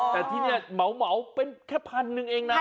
แต่ที่นี่เหมาเป็นแค่พันหนึ่งเองนะ